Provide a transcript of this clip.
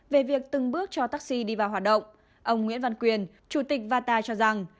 về việc từng bước cho taxi đi vào hoạt động ông nguyễn văn quyền chủ tịch vata cho rằng